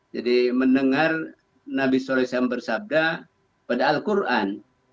jadi mendengar nabi sallallahu alaihi wasallam bersabda pada al qur'an